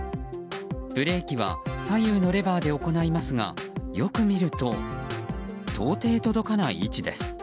ブレーキは左右のレバーで行いますがよく見ると到底届かない位置です。